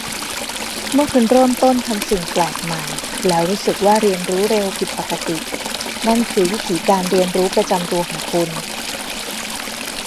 เมื่อคุณเริ่มต้นทำสิ่งแปลกใหม่แล้วรู้สึกว่าเรียนรู้เร็วผิดปกติ นั่นคือวิถีการเรียนรู้ประจำตัวของคุณ